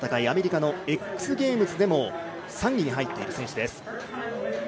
アメリカのＸゲームズでも３位に入っている選手です。